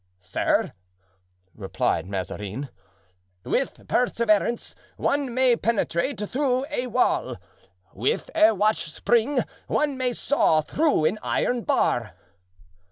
"Sir," replied Mazarin, "with perseverance one may penetrate through a wall; with a watch spring one may saw through an iron bar."